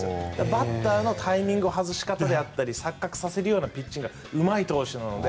バッターのタイミングの外し方であったり錯覚させるようなピッチングがうまい投手なので。